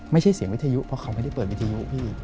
ไม่ใช่เสียงวิทยุเพราะเขาไม่ได้เปิดวิทยุพี่